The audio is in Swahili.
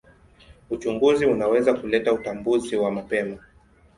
Uchunguzi unaweza kuleta utambuzi wa mapema.